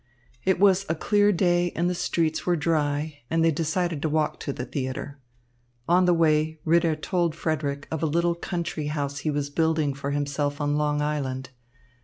It was a clear day and the streets were dry, and they decided to walk to the theatre. On the way Ritter told Frederick of a little country house he was building for himself on Long Island.